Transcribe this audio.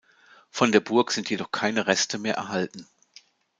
Von der Burg sind jedoch keine Reste mehr erhalten.